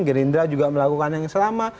gerindra juga melakukan yang sama